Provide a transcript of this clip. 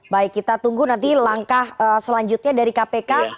baik kita tunggu nanti langkah selanjutnya dari kpk